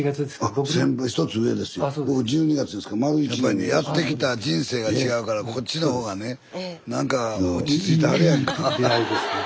スタジオやっぱりねやってきた人生が違うからこっちの方がねなんか落ち着いてはるやんか。